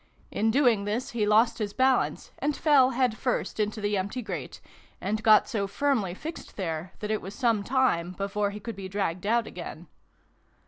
In doing this, he lost his balance, and fell head first into the empty grate, and got so firmly fixed there that it was some time before he could be dragged out again.